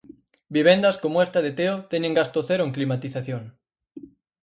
Vivendas coma esta de Teo teñen gasto cero en climatización.